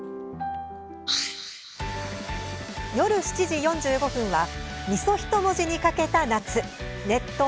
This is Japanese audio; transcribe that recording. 夜７時４５分は「三十一文字にかけた夏熱闘！